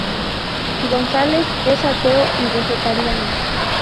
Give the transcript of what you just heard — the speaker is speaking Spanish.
González es ateo y vegetariano.